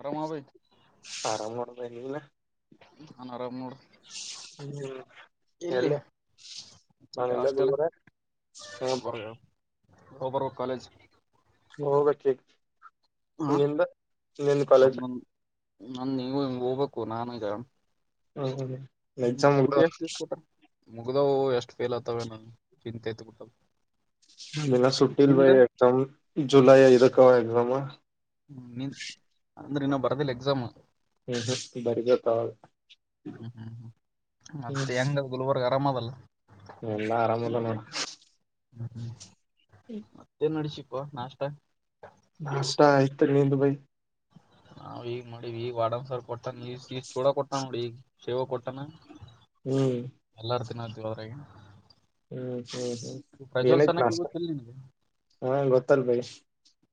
ಆರಾಮ ಬೈ ಆರಾಮ ಮಾಡಲ್ಲ ಹನ್ ಆರಾಮ್ ಹ್ಮ್ ಇಲ್ಲಿ ಎಲ್ಲ ಇಲ್ಲಿ ನಾನಿಂದ ಹಾಸ್ಟೆಲ್ ಗುಲ್ಗರ ಹ ಗಬರ್ ಕಾಲೇಜ್ ಹೋಗಕ್ಕೆ ಹ ಇನ್ನಿಂದ ಇನ್ನಿಂದ ಕಾಲೇಜ್ ನಂದೊಂದ್ ನನ್ ನೀವು ಹಂಗ್ ಹೋಗ್ಬೇಕು ನಾನು ಇದಗ ಹ ಎಕ್ಸಾಮ್ ದಿವ್ಸ ಕೊಟ್ಟಾರ ಮುಗ್ದವು ಎಷ್ಟು ಫೇಲ್ ಆತವ ನನ್ಗೆ ಚಿಂತೆ ತ್ ಬಿಿಟ್ಟ ನಿಿನ ಸುಟ್ಟಿಲ್ ಭೈ ಎಕ್ಸಾಮ್ ಜುಲೈ ಐದಕ್ಕ ಎಕ್ಸಾಮ್ ಹ್ಮ ನೀನ್ ಅಂದ್ರೆ ಇನ್ನಾ ಬರ್ದಿಲ್ಲ ಎಕ್ಸಾಮ್ ಅ ಹ್ಮ್ ಹ್ಮ್ ಬರಿಬೇಕ ಅವಾಗ ಹ್ಮ್ ಹ್ಮ್ ಹ್ಮ್ ಹ್ಮ್ ಮತ್ತೆ ಹೆಂಗ ಕುಳವಗ ಕರಮೋದಲ್ಲ ಎಲ್ಲಾ ಆರಾಮಲ್ಲ ನೋ ಹ್ಮ್ ಹ್ಮ್ ಹ್ಮ ಏನ ನಡಸಿಪ್ ನಾಷ್ಟ ನಾಷ್ಟ ಇತನಲ್ ಬೈ ನಾವ್ ಈಗ ಮಾಡಿದ್ವಿ ಈಗ ವಾಡನ್ಸರ್ ಕೊಟ್ಟಾನ ಈ ಈಸ್ ಚೂಡ ಕೊಟ್ಟನ್ ನೋಡಿ ಈಗ ಶೇವ ಕೊಟ್ಟಾನ ಹ್ಮ್ ಎಲ್ಲರ ತಿನ್ನತೀವಿ ಅದರಗಿ ಹ್ಮ್ ಹ್ಮ್ ಹ್ಮ್ ಏನೈತ್ ಪ್ರಜ್ವಲ್ಸನಕ್ಕೆ ನಾಷ್ಟ ಗೊತ್ತಿಲ್ಲ ನಿನಗೆ ಹಾ ಗೊತ್ತಲ್ ಬೈ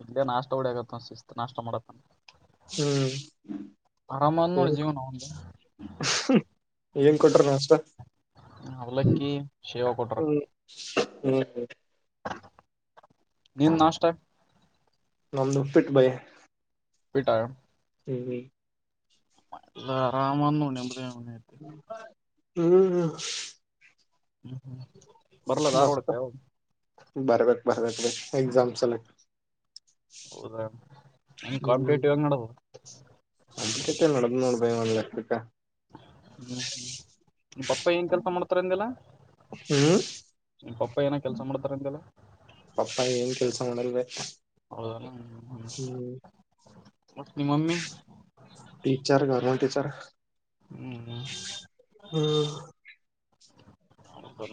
ಇ ನಾಷ್ಟಾ ಡಿ ಆಗತ್ತ ಅಸ್ತ್ ನಾಷ್ಟ ಮಾಡಕ್ ಹ್ಮ್ ಅದ್ ನೋಡ್ ಜೀವನ ಅವಂದು [unintelligible] ಏನೇನ್ ಕೊಟ್ರ ನಾಷ್ಟ. ಅವಲಕ್ಕಿ ಸೇವಾ ಕೊಟ್ಟಾರ ಹ್ಮ ಹ್ಮ ನಿಂದ ನಾಷ್ಟ ನಮ್ದ್ ಉಪ್ಪಿಟ್ ಭೈ ಉಪ್ಪಿಟ್ ಟಿವಿ ಎಲ್ಲ ಆರಾಮದ ನೋಡ ನಿಮ್ಮದ ಮನಿ ಹ್ಮ್ ಹ್ಮ ಹ್ಮ ಮತ್ತ್ ಬರ್ಬ್ಯಾಕ್ ಬರ್ಬ್ಯಕ್ ಬ ಎಕ್ಸಾಮ ಸಲೆಕ್ ಹೌದಾ ಹೆಂಗ್ ಹ್ಮ ಕಾಂಪಿಟೇಟಿವ್ ಹೆಂಗ್ ನಡದದ ಅತ್ತ ನನ್ನ ನೋಡ ಬೈ ಒಂದ್ ಲೆಕ್ಕಕ್ ನಿಮ್ಮ ಪಪ್ಪ ಏನ್ ಕೆಲಸ ಮಾಡ್ತಾರಂದೆಲ್ಲಾ ಹ್ಮ್ ನಿಮ್ಮ ಪಪ್ಪ ಏನ ಕೆಲಸ ಮಾಡ್ತಾರಂದೆಲ್ಲಾ. ಪಪ್ಪಾ ಏನ್ ಕೆಲ್ಸ ಮಾಡಲ್ ರೀ ಹೌದಲ್ಲ ಹ್ಮ್ ಹ್ಮ್ ಮತ್ ನೀಮ ಮಮ್ಮಿ ಟೀಚರ್ ಗೌರ್ಮೆಂಟ್ ಟೀಚರ್ ಹ್ಮ್ ಹ್ಮ ಬೇಸರ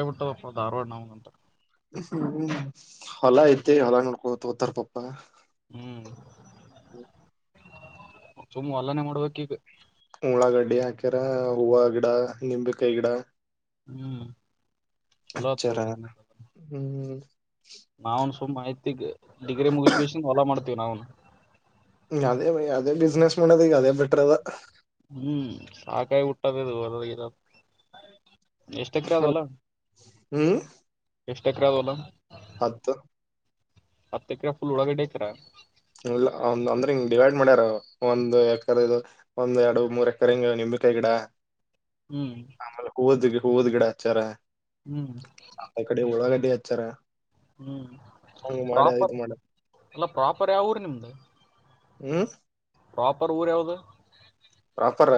ಆಗಿ ಬಿಟ್ಟದ ಧಾರವಾಡ ನಮ್ಮಂತ ಹ್ಮ್ ಹೊಲ ಐತೆ ಹೊಲ ನೋಡ್ಕೊ ಹೋತಾರ ಪಪ್ಪ ಹ್ಮ್ ಸುಮ್ಮ ಹೋಲ್ಲಾನೇ ಮಾಡ್ಬೇಕ ಈಗ ಉಳ್ಳಾಗಡ್ಡಿ ಹಾಕ್ಯರ ಹೂವ ಗಿಡ ನಿಂಬೆ ಕಾಯಿ ಗಿಡ ಹ್ಮ್ ಚೊಲೋ ಆತ ಹಚ್ಚಾರ ಬ್ಯುಸಿನೆಸ್ ಹ್ಮ್ ನಾವ್ನ್ ಸುಮ ಮಾಹಿತಿಗ್ ಡಿಗ್ರಿ ಮುಗಿಸಿದ ಹೊಲಾ ಮಾಡ್ತೀವಿ ನಾವು ಅದೇ ಅದೇ ಬಿಸಿನಸ್ ಮಾಡಣದಕ್ಕೆ ಅದೇ ಬೆಟ್ರದಾ ಹ್ಮ್ ಸಖಾಯಿ ಬಿಟ್ಟದ ಹೊದ ಎಷ್ಟ ಎಕರೆ ಹೊಲ ಹ್ಮ್ ಎಷ್ಟ ಎಕರೆ ಹೊಲ ಹತ್ತು ಹತ್ತ ಎಕರೆ ಫುಲ್ ಉಳ್ಳಾಗಡ್ಡಿ ಹಾಕಿರ ಇಲ್ಲ ಅಂದ್ರೆ ಹಿಂಗ್ ಡಿವೈಡ್ ಮಾಡ್ಯಾರ ಒಂದ್ ಎಕರೆ ಇದು ಒಂದ್ ಎರಡು ಮೂರ್ ಎಕರ್ ಹಿಂಗ ನಿಮ ಈಗಡ ಹ್ಮ್ ಆಮೇಲೆ ಹೋವದ ಹೋವದ ಗಿಡ ಹಚ್ಚಾರ ಹ್ಮ್ ಎಡಿ ಹಚ್ಚಾರಾ ಹ್ಮ್ ಇದ್ ಪ್ರಾಪರ್ ಮಾಡ ಎಲ್ಲ ಪ್ರಾಪರ್ ಯಾವ ಊರ ನಿಮ್ದು ಹ ಪ್ರಾಪರ್ ಊರ್ ಯಾವ್ದ ಪ್ರಾಪರ್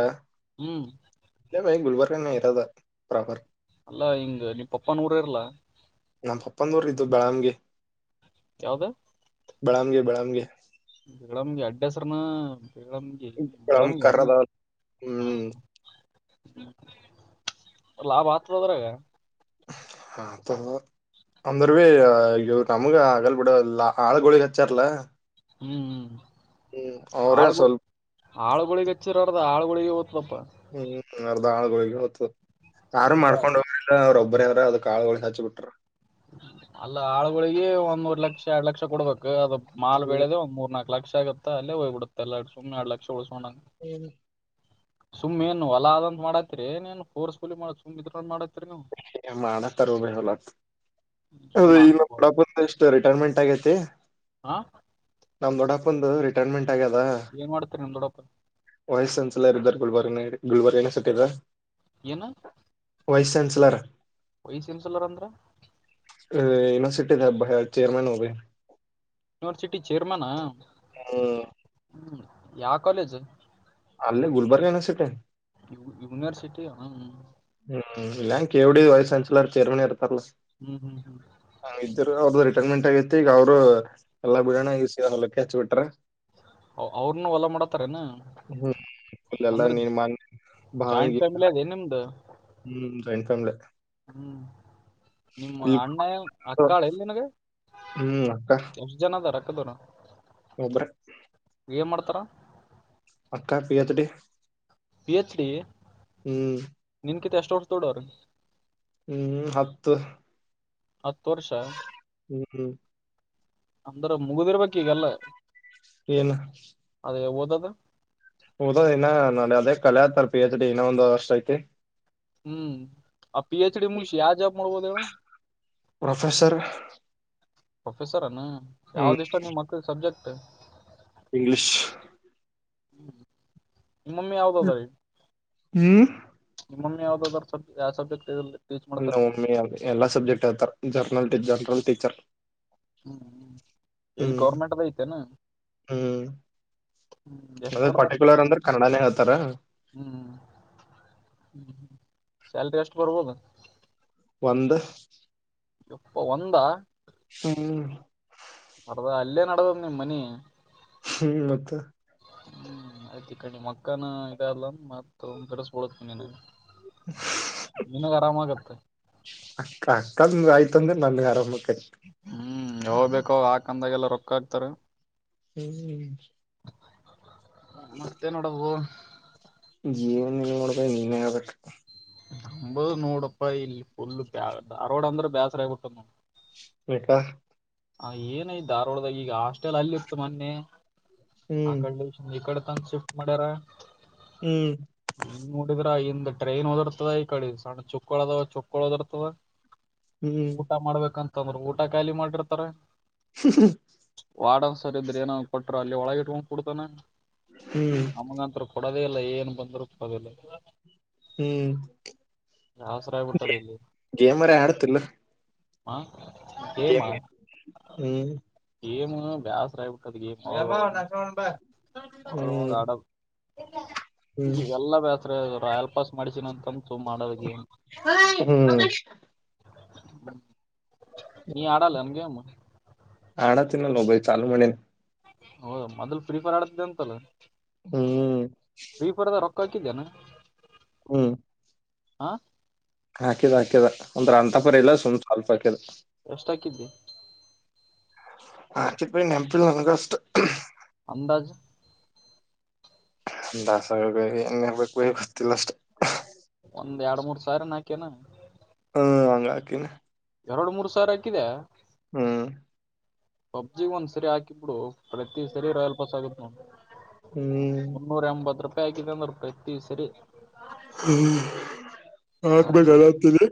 ಗುಲ್ಬರ್ಗನ ಇರೋದ ಪ್ರಾಪರ್ ಅಲ್ಲಾ ಹಿಂಗ ನೀ ಪಪ್ಪನೂಊರೇ ಇರ್ಲಾ ನಮ್ಮ ಪಪ್ಪಂದ ಉರೂ ಇದ್ದು ಬಳಾಮ್ಗೆ ಯಾವ್ದ ಬೆಳಮಗಿ ಬೆಳಮಗಿ ಗಳಮ್ಗೆ ಅಡ್ಡ ಹೆಸರನ ಗಳಮಗೆ ಬೆಳಮ್ ಯಳಮಗೆನು ಕರ್ರದ ಹಾ ಹ್ಮ್ ಲಾಭ ಆತದ ಅದ್ರಾಗ ಹಾ ತ ಅಂದರ್ ಭ ಇವ್ ನಮ್ಗ ಆಗಲ್ ಬಿಡ ಆಳ ಗೋಳಿಗ್ ಹಚ್ಚಾರಲ್ಲ ಹ್ಮ್ ಹ್ಮ ಹ್ಮ್ ಅವ್ರೇ ಆಳ್ಗಳು ಸ್ವಲ್ಪ ಆಳ್ುಗಳಿಗೆ ಹಚ್ಚಿರಾರದ ಆಳ್ುಗಳಿಗೆ ಒಪ್ಪ ರ್ದ್ದ ಆಾಳುಗಳಿಗೆ ಹೊತ್ತು ಯಾರು ಎಲ್ಲ ಮಾಡ್ಕೊಂಡ್ ಹೋಗ ಅವ್ರೊಬ್ಬ್ರವ್ರ ಅದಕ್ ಆಾಳಗಳಿಗೆ ಹಚ್ಚ ಬಿಟ್ರ ಅಲ್ಲ ಆಳ್ುಗಳಿಗೆ ಒಂದ್ ಮೂರ್ ಲಕ್ಷ ಎರಡ್ ಲಕ್ಷ ಕೊಡಬೇಕು ಅದು ಮಾಲ್ ಹ್ಮ್ ಬೆಳದ ಒಂದ್ ಮೂರ್ ನಾಕ ಲಕ್ಷ ಆುತ್ತತ್ತ ಅಲ್ಲಿ ಹೋಗ್ಬ ಬಿಡುತ್ತ ಎರ ಸುಮ ಎಡ್ ಲಕ್ಷ ಉಳಸೋಣ ಹ್ಮ ಸುಮ್ಮ್ ಏನು ಹೊಲ ಆದಂತ ಮಾಡತಿರಿ ಏ ಏನು ಕೋರ್ಸ್ಕಲಿ ಮಾಡ ಸುಮ್ ಇದ ಮಾಡ ಮಾಡತರಲ ಸುಮ್ಮ ಈಗಡ ಎಷ್ಟು ರಿಟೈರ್ಮೆಂಟ್ ಆಗ ಹಾ ನಮ ದೊಡ್ಡಪ್ಪಂದು ರಿಟೈರ್ಮೆಂಟ್ ದ ಏನ್ ಮಾಡ್ತೀರಿ ನಿಮ್ ದೊಡ್ಡಪ್ಪ ವಯಸನ್ಸ ಇ ಗುಲ್ಬರ್ ಗುಲ್ಬರ್ ನ ಸಾಲ್ಲ ಏನು ವೈಸ್ ಚಾನ್ಸಲರ್ ವಯ್ಸ ಇಮಸಲ್ಲರಂದ್ರ ಯುನಿವರ್ಸಿಟಿ ನ ಚೇರ್ಮನ್ ಹಬ ಯೂನಿವರ್ಸಿಟಿ ಚೇರ್ಮಾನ ಹ್ಮ ಹ್ಮ್ ಯಾವ ಕಾಲೇಜು ಅಲ್ಲಿ ಗುಲ್ಬರ್ಗನ ಸಟೆ ಯೂನಿವರ್ಸಿಟಿ ಹ್ಮ್ ಹ್ಮ್ ಇಲ್ಲ ಕೆ ಡಿ ವೈಸ್ ಚಾನ್ಸಲರ್ ಚೇರ್ಮನೆಿ ಇರ್ತ್ತೆ ಲ್ಲ ಹ್ಮ್ ಹ್ಮ್ ಹ್ಮ್ ಇದರು ಅವ್ರದು ರಿಟೈರ್ಮೆಂಟ್ ಆಗಿತಿ ಈಗ ಅವರು ಎಲ್ಲಾ ಬಿಡೋಣಸ ಹೊಲಕ್ಕ ಹಚ್ಚಚ್ಬ ಬಿಟ್ರ ಅವ್ರನು ಹೊಲ ಮಾಡತಾರನಾ ಇೆಲ್ಲ ನೀರ್ಮ ಭಾವಿಿಗೆ ಫ್ಯಾಮಿಲಿ ಹ್ಮ ಅದೇ ನಿಮ್ದು ಜಾಯಿಂಟ್ ಫ್ಯಾಮಿಲಿ ಹ್ಮ್ ನಿಮ್ಮ ಇಲ್ ಅಣ್ಣ ಅಕ್ಕಾಳ ಎಲ್ಲಿ ನಿನಗೆ ಹ್ಮ್ ಅಕ್ಕಾ ಹದರಕ್ಕ ತರ ಒಬರ ಏನು ಮಾಡ್ತಾರ ಅಕ್ಕಾ ಪಿಯತ ಡೆ ಪಿ ಹೆಚ್ ಡಿ ಹ್ಮ್ ಷ್ಟೋರ್ಸ್ ತೋಡ ಅವ ಹ್ಮ್ ಹತ್ತು ಹತ್ತು ವರ್ಷ ಹ್ಮ್ ಹ್ಮ್ ಅಂದ್ರ ಮುಗ್ದಿರ್ಬೇಕಕ್ ಈಗಲ್ಲ ಏನು ವದ ಹದ್ ಇನ್ನ ನೋಡ ಅದೇ ಕಲೆತಾರ ಪಿ ಎಚ್ ಡಿ ಇನ್ನ ಒಂದ ವಷ್ಟ ಐತಿ ಹ್ಮ್ ಆ ಪಿ ಎಚ್ ಡಿ ಮುಗಿಸಿ ಯಾವ ಜಾಬ್ ಮಾಡ್ಬೋದ ಪ್ರೊಫೆಸರ್ ಪ್ರೊಫೆಸರನು ಯಾವ್ದ ಇಷ್ಟ ನಿಮ್ ಮಕ್ಳ ಸಬ್ಜೆಕ್ಟ್ ಇಂಗ್ಲಿೀಷ್ ಮಮ್ಮಮ್ಮಿ ಅವವು ಬಬ ರೀ ಹ್ಮ್ ನಿಮ್ಮೊ ಯಾವ್ದದಾದ್ರ ಸ ಯಾವ ಸಬ್ಜೆಟ್ ಇಲ್ಲಿ ಒಮ್ಮಿ ಅ ಎಲ್ಲಾ ಸಬ್ಜೆಕ್ಟ್ ಹೇತಾರ ಜರ್ನಲ್ ಜರ್ನರಲ್ ಟೀಚರ್ ಹ್ಮ್ ಎಲ್ಲಿ ಹ್ಮ್ ಗೌರ್ಮೆಂಟ್ದ ಐತೆನಾ ಹ್ಮ್ ಅದ ಪರ್ಟಿಕ್ಯುಲರ್ ಅಂದ್ರೆ ಕನ್ನಡಾನೇ ಹತಾರ ಹ್ಮ ಶಲ್ರಿ ಅಷ್ಟು ಬರ್ಬೋದು ಒಂದು ಇಪ್ಪ ಒಂದ ಹ್ಮ್ ಅಲ್ಲೇ ನಡದದ್ ನಿಮ್ ಮನಿ ಹ್ಮ್ ಮತ್ತ ಹ್ಮ್ ಆಯ್ತಿ ಕಣಿ ಮಕ್ಕನ ಇದ ಅಲ್ಲ ಮತ್ತ ಬಿಡಸ್ಬಳೋದ ಕಣಿ ನನಗೆ ನಿಿನಗ್ ಆರಾಮಾಗತ್ತೆ ಅಕ್ಕ ಅಕ್ಕಂದ ಆಯ್ತ ಅಂದ್ರೆ ನನ್ ಆರಾಮಕ್ಕತ ಹೋಗ್ಬೇಕೋ ಹಾಕಂದಾಗೆಲ್ಲ ರೊಕ್ಕ ಹಾಕ್ತಾರ ಹ್ಮ್ ಮತ್ತೆ ನೋಡವು ಜೀವನ್ ನೀ ನೋಡ್ಬೇಕ ನೀನ್ೇ ಆಬೇಕ ಹಂಬದು ನೂರು ರೂಪಾಯಿ ಇಲ್ಲಿ ಫುಲ್ಾಗ ಆರೋಡ್ ಅಂದ್ರೆ ಬೇಸರ ಆಬಿಟ್ಟ ನ ಹಟಾ ಹ ಏನೈ ಧಾರವಾಳದಾಗ ಈಗ ಹಾಸ್ಟೆಲ್ ಅಲ್ಲಿ ಇರ್ತ್ತು ಮೊನ್ನೆ ಹ್ಮ್ ಆಡೆ ಈಡೆ ಶಿಫ್ಟ್ ಮಾಡ್ಯಾರ ಹ್ಮ್ ಹನ್ ನೋಡಿದ್ರ ಇನ್ ಡ್ರೈನ್ ಓದಿರ್ತದ ಈ ಕಡೆ ಸಣ್ಣ ಚುಕ್ಕಳ ಅದಾವ ಚುಕ್ಕಳ್ ಓದಿರ್ತದ ಹ್ಮ್ ಊಟ ಮಾಡ್ಬೇಕಂತ ಅಂದ್ರೆ ಊಟ ಖಾಯಾಲಿ ಮಾಡಿರ್ತಾರ ಹ ವಾನ್ ಸರಿ ಇದ್ರ ಏನ ಕೊಟರು ಅಲ್ಲಿ ಒಳಗ ಇಟ್ಕೊಂಡ್ ಕು ಕೊಡ್ತಾನ ಹ್ಮ್ ಹ್ಮ್ ಅಮಗಂತ ಕೊ ಪಡದೆ ಇಲ್ಲ ಏನ್ ಬಂದ್ರುಪಡದೆಲ್ಲ ಹ್ಮ್ ಆಗ್ಬಿಟ್ಟದ ಇಲ್ಲಿ ಗೇಮ್ರ ಆಡತಿಲ್ಲ ಹ ಮಾಡ ಹ್ಮ್ ಗೇಮ ಬ್ಯಾಸ್ ಆಗಿ ಬಿಟ್ಟ ಗೇಮ ಹ್ಮ್ ಡ ಹ್ಮ್ ಎಲ್ಲ ಬತ್ ರಾಯಲ್ ವಾಪಾಸ್ ಮಾಡಿಸಿನ ಅಂತಂತು ಮಾಡೋದ ಗಏನ್ ಹ್ಮ್ ನೀ ಅಡಲ್ಲಮಗೆಮ್ಮ ಆಣುತ್ತ ನ ಲೊಬೈ ಚಾಲಲು ಮನೆ ಹಓ ಮೊದ್ಲು ಫ್ರೀ ಫೈರ್ ಆಡತಿದ್ದೆ ಅಂತಲ್ಲ ಹ್ಮ್ ದೀಪುರದ ರೊಕ್ಕ ಹಾಕಿದ್ಯಾನ ಹ್ಮ್ ಹಾ ಹಾಕಿದ್ ಹಾಕಿದ ಒಂದ್ರ ಅಂಂತಪರ ಇಲ್ಲ ಸುಮ್ ಸ್ವಲ್ಪ ಆತ ಎಷ್ಟ ಹಾಕಿದ್ದಿ ಆಚ ಪಿ ನೆಂಪಿಲ್ಲ ನನ ಕಷ್ಟ ಅಂದಾಜ ದಾಸಗ ಎೇ ಹಬೇಕು ಗರ್ತ್ತಲ್ಲ ಅಷ್ಟೇ ಒಂದ್ ಎರಡು ಮೂರ್ ಸಾವ ನ ಹಾಕ್ಯನಾ ಹ ಅಂಗಕಿನ ಎರಡು ಮೂರ್ ಸಾವಿ ಹಾಕಿದೆ ಹ್ಮ್ ಪಬ್ಜಿ ಒಂದ್ಸರಿ ಹಾಕಿಬಿಡು ಪ್ರತಿ ಸರಿ ರಾಯಲ್ ಪಾಸ್ ಆಗುತ್ತ ನ ಹ್ಮ್ ಮುನ್ನೂರ ಎಂಬತ್ ರೂಪಾಯ ಂದ ಪ್ರಿವಸರ್ ಆಕ್ರೆ ಹಾಕ್ಬೇಕಲ್ಲತಿದೆ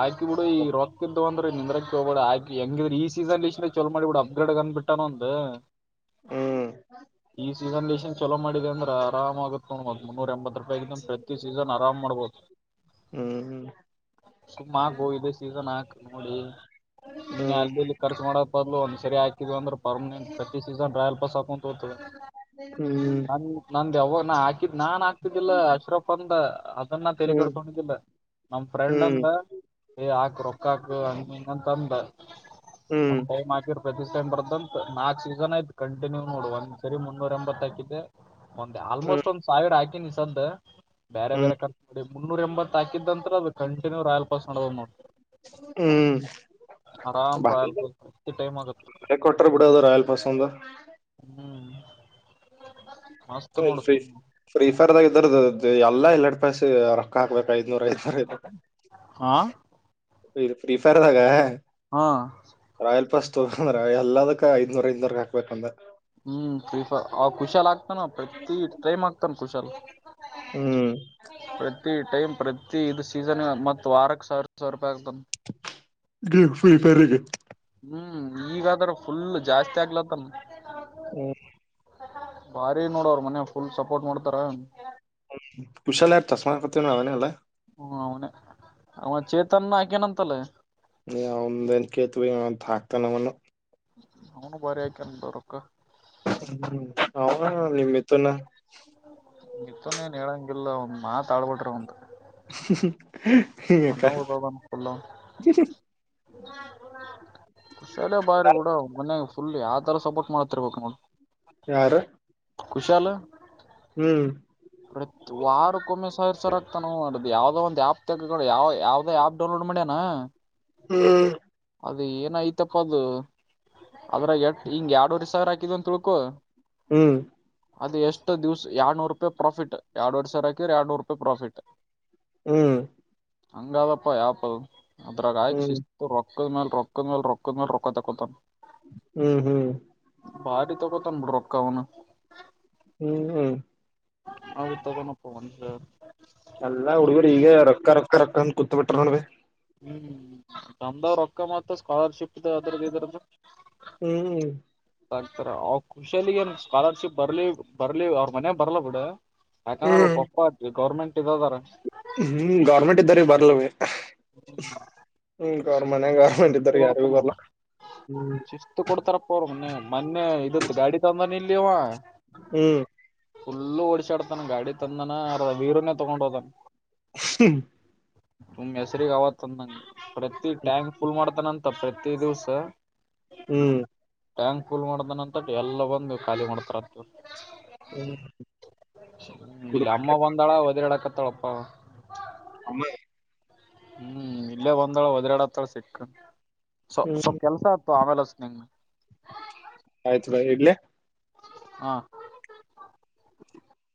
ಆಯ್ತು ಬಿಡು ಈ ರೊಕ್ಂತ [unintelligible] ನಿಂದ್ರ ಹೋಗಬೇಡ ಆಕ ಹೆಂಗಿದ್ರ ಈ ಸೀಸನ್ಲ್ ಇಷ್ಟ್ರ ಚಲೋ ಮಾಡಿ ಬಿಡ ಅಪ್ಗ್ರೇಡ್ ಗನ್ ಒಂದು ಹ್ಮ್ ಈ ಸೀಸನ್ ದನ್ ಚಲೋ ಮಾಡಿದೆ ಅ್ರ ಆರಾಮ ಆಗತ್ಕೋ್ ಮುನ್ನೂರ ಎಂಬತ್ ರೂಪಾಯಿ ಪ್ರತಿ ಸೀಸನ್ ಆರಾಮ ಮಾಡಬಹದಯು ಹ್ಮ್ ಸುಮ್ಮ ಗೋ ಇದೆ ಸೀಸನ್ ಹಾಕ್ ನೋಡಿ ಸುಮ್ನೆ ಹ್ಮ್ ಅಲ್ಲಿ ಇಲ್ಲಿ ಖರ್ಚ ಮಾಡಕ್ ಬದ್ಲು ಒಂದ ಸರಿಾಿದೀವಿ ಅಂದ್ರೆ ಪರ್ಮನೆಂಟ್ ಪ್ರತಿ ಸೀಸನ್ ರಾಯಲ್ ಪಾಸ್ ಆಗುತ್ತದೆ [unintelligible] ಹ್ಮ್ ನಾನ್ ನನ್ ಯಾವಾಗ [unintelligible] ಕಿದ್ ನಾನ್ ಆಗ್ತಿದ್ದಿಲ್ಲ ಅಶ್ರಫ್ ಅಂದ ಸುಮನ್ ಹ್ಮ್ ಹ್ಮ್ ತಳಕೊಡ್ಕೊಂಡಿಲ್ಲ ನಮ್ ಫ್ರೆಂಡ್ ಅಂದ ಹಾಕು ರೊಕ್ಕ ಹಾಕ ಅ ಹಂಗಂತ ತಂದ ಹ್ಮ್ ಒಂದ್ ಟೈಮ್ ಹಾಕಿರ ಪ್ರತ ಬರ್ದಂತ ನಾಕ್ ಸೀಸನ್ ಆಯ್ತ್ ಕಂಟಿನ್ಯೂ ನೋಡ್ ಒಂದ್ ಸರಿ ಮುನ್ನೂರ ಎಂಬತ್ತಕಿದೆ ಒಂದ್ ಹ್ಮ್ ಆಲ್ಮೋಸ್ಟ್ ಒಂದ್ ಸಾವಿರ ಹಾಕಿನಿಿಸ್ದ ಬೇರೆ ಹ್ಮ್ ಬೇರೆ ಕರ್ ಮುನ್ನೂರ ಎಂಬತ್ ಹಾಕಿದಂ ಅದು ಕಂಟಿನ್ಯೂ ರಾಯಲ್ ಪಾಸ್ ನೋ ನೋಡ್ತ ಹ್ಮ್ ಆರಾಮ್ ಬರೇ ರಾಯಲ್ ಇದನ್ನು ಪಾಸ್ ಪ್ರತಿ ಟೈಮ್ ಆಗತ್ತ ಬೆಲೆ ಕ್ಟರ್ ಬಿೂಡದ ರಾಯಲ್ ಪಾಸ್ ಒಂದು ಹ್ಮ್ ಮಸ್ತ್ ನೋಡು ಸುಮ್ಮ [unintelligible] ಫ್ರೀ ಫೈರ್ ಇದ್ದರದು ಎಲ್ಲಾ ರಾಯಲ್ ಪಾಸ್ ರೊಕ್ಕ ಹಾಕ್ಬೇಕು ಐದ್ನೂರ ಐದ್ನೂರ ಐದ್ನೂರ ಹಾ ಫ್ರೀ ಫೈರ್ದಾಗ ಹಾ ರಾಯಲ್ ಪಾಸ್ ಎಲ್ಲದಕ್ಕ ಐದನೂರ ಐನೂರ ಹಾಕ್ಬೇಕ ಅಂದ ಹ್ಮ್ ಫ್ರೀ ಫೈರ್ ಹಾ ಕುಶಾಲ ಆಗ್ತಾನ ಪ್ರತಿ ಟೈಮ್ ಆಗ್ತಾನ ಕುಶಲ್ ಹ್ಮ್ ಪ್ರತಿ ಟೈಮ್ ಪ್ರತಿ ಇದು ಸೀಸನ್ ಮತ್ ವಾರಕ್ ಸಾವಿರ ಸಾವಿರ ರೂಪೈ ಗೇಮ್ ಫ್ರೀ ಫೈರ್ಗೆ ಹ್ಮ್ ಈಗಾದದ್ರ ಫುಲ್ ಜಾಸ್ತಿ ಆಗ್ಲತ್ತಮ್ಮ ಹ್ಮ [unintelligible] ಬಾರಿ ನೋಡವ್ರ ಮನ್ ಫುಲ್ ಸಪೋರ್ಟ್ ಮಾಡ್ತಾರ ಕುಷಾಲಯ ಚಶ್ಮಾ ಕೊತನುಾವನೆ ಅಲ್ಲಾ ಹ್ಮ ಅವನ್ ಅವನ ಚೇತನ್ ಹಾಕೇನಂತಲ್ಲ ಅವನು ಏನು ಕೆಳೆಟೇಲೆ ಹಾಕ್ತಾನ ಅವನು ಅವನು ಬರಕಂತೊರೊಕ್ಕ ಹ್ಮ ಅವನು ಮಿಥುನ ಮಿಥುನ್ ಏನು ಹೇಳಂಗಿಲ್ಲ ಒಂದ್ ಮಾತ್ ಆಳ್ಬಟ್ರ ಆವುದು ಓದೋದನ್ [unintelligible] ಯಾಕ ಕುಶಾಲ್ ಬಾರಿ ಬೇಡು ಮನ್ಯಾಗ ಫುಲ್ ಯಾವತರ ಸಪೋರ್ಟ್ ಮಾಡ್ತಿರ್ಬೇಕಕ್ ನೋಡ ಯಾರು ಕುಖಶಾಲ ಹ್ಮ್ ಪ್ರತಿ ವಾರ ಕೊಮ್ಮೆ ಸಾವಿರ್ ಸಾವಿರ್ ಆಗ್ತಾನ ಯಾವದೋ ಒಂದು ಆಪ್ ತಗಕ ಯಾವ ಯಾವ್ದದೋ ಆ್ಯಪ್ ಡೌನ್ಲೋಡ್ ಮಾಡ್ಯನಾ ಹ್ಮ್ ಅದ ಏನ ಐ್ತಪ್ಪ ಅದು ಅದ್ರಾಗ ಎಟ್ ಹಿಂಗ ಎರಡುವರೆ ಸಾವಿರ ಹಾಕಿದ ಅಂತ ತಿಳ್ಕೊ ಹ್ಮ್ ಅದು ಎಷ್ಟು ದಿವ್ಸ ಎರಡ್ನೂರು ರೂಪಾಯಿ ಪ್ರಾಫಿಟ್ರಡ್ಡು ಎರಡ್ ವಾರೆ ಸಾವರ ಹಾಕಿದ್ರೆ ಎರಡ್ನೂರು ರೂಪಾಯಿ ಪ್ರಾಫಿಟ್ ಹ್ಮ್ ಹಂಗದಪ್ಪ ಆಪಲ್ ಅದ್ರಾಗ ಹಾಯಕ್ ಹ್ಮ್ ಶಿಸ್ತು ರೊಕ್ಕ ರೊಕ್ಕದ್ ಮೇಲ್ ರೊಕ್ಕದ್ ಮಲ್ ರೊಕ್ಕದ್ ಮಲ್ ರೊಕ್ಕ ತಕ್ಕೊತ ಹ್ಮ್ ಹ್ಮ್ ಬಾರಿ ತೊಗೊತನ್ ಬಿಡ ರೊಕ್ಕ ಅವನು ಹ್ಮ್ ಹ್ಮ್ ನಾವು ತ್ಗೋಣ ಅಲ್ಲ ಹುಡ್ಗುರ್ ಈಗ ರೊಕ್ಕ ರೊಕ್ಕ ರೊಕ್ಕ ಅತ್ ಕೂತ್ ಬಿಟ್ರ ನೋಡಬೆ ಹ್ಮ್ ನಂದವ್ರ ರೊಕ್ಕ ಮಾತ್ರ ಸ್ಕಾಲರ್ಶಿಪ್ ದ ಅದ್ರದ ಇದ್ರದ ಹ್ಮ್ ತರ ಅವ್ ಖುಷಿಯಲ್ಲಿ ಏನ್ ಸ್ಕಾಲರ್ಶಿಪ್ ಬರ್ಲಿ ಬರ್ಲಿ ಅವ್ರ ಮನೆ ಬರ್ಲ ಬಿಡ ಯಾಕಂದ್ರೆ ಹ್ಮ್ ಪಪ್ಪ ಅವಿ ಗೌರ್ಮೆಂಟ್ ಇದದಾರ ಹ್ಮ್ ಗೌರ್ಮೆಂಟ್ ಇದ್ದಾರ ಬರ್ಲವ ಹ್ಮ ಗರ್ಮನ್ಯಾಗ ಗೌರ್ಮೆಂಟ್ ಇದ್ರ ಯಾರಗೂ ಬರಲ ಶಿಸ್ತ್ ಕೊಡ್ತಾರಪ್ಪ ಅವರು ಮೊನ್ನೆ ಇದತ್ ಗಾಡಿ ತಂದಾನ ಇಲ್ಲಿವ ಹ್ಮ್ ಫುಲ್ ಓಡಶಾಡತಾನ ಗಾಡಿ ತಂದನ ಅರದ ವೀರನೇ ತೊಗೊಂಡ್ ಹೋದನ್ ಹ್ಮ ಸುಮ್ ಹೆಸ್ರಿಗ್ ಅವ ತಂದಂಗ ಪ್ರತಿ ಟ್ಯಾಂಕ್ ಫುಲ್ ಮಾಡ್ತಾನಂತ ಮತ್ತ ಪ್ರತಿ ದಿವಸ ಹ್ಮ್ ಟ್ಯಾಂಕ್ ಫುಲ್ ಮಾಡ್ದನ ಅಂತ ಎಲ್ಲ ಬಂದು ನೀವು ಖಾಲಿ ಮಾಡ್ತಾರಂತ ಇವ್ರು ಹ್ಮ್ ಹ್ಮ ಇಲ್ಲ ಅಮ್ಮ ಕುಡ್ಬೇಕ ಬಂದಾಳ ಒದರ್ಯಾಡಕತ್ತಾಳಪ್ಪ ಹಾ ಅಮ್ಮೇ ಹ್ಮ್ ಇಲ್ಲೇ ಬಂದಳ ವದ್ರ್ಯಾಡಕತ್ತಾಳ ಸಿಕ್ ಸ್ ಸ ಕೆಲ್ಸ ಆತ್ತು ಆಮೇಲೆ [unintelligible] ಆಯ್ತು ಬಾಯ್ ಇಡ್ಲಿ ಹಾ